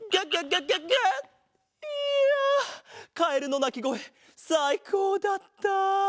いやカエルのなきごえさいこうだった。